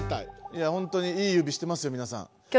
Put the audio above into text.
いやほんとにいい指してますよみなさん。